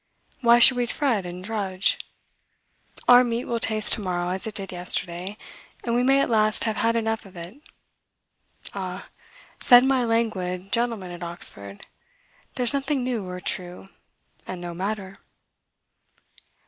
Why should we fret and drudge? Our meat will taste to morrow as it did yesterday, and we may at last have had enough of it. "Ah," said my languid gentleman at Oxford, "there's nothing new or true, and no matter."